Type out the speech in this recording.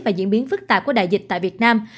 và diễn biến phức tạp của đại dịch tại việt nam